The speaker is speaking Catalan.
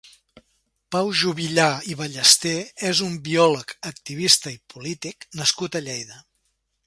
Pau Juvillà i Ballester és un biòleg, activista i polític nascut a Lleida.